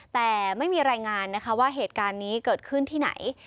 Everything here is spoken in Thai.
แต่ไม่มีรายงานนะคะว่าเหตุการณ์นี้เกิดขึ้นที่ไหน